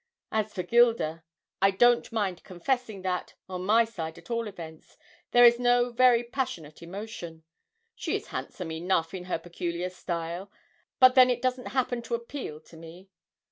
As for Gilda, I don't mind confessing that, on my side at all events, there is no very passionate emotion. She is handsome enough in her peculiar style, but then it doesn't happen to appeal to me.